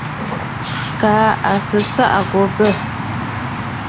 Kaa à sɨ ɨsaʼà gha bə̂.